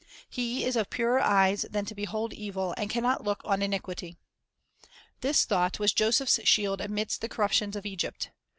He is "of purer eyes than to behold evil, and can not look on iniquity." 1 This thought was Joseph's shield amidst the corruptions of Egypt.